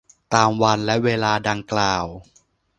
ตามวันและเวลาดังกล่าว